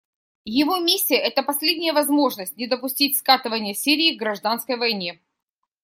Его миссия — это последняя возможность не допустить скатывания Сирии к гражданской войне.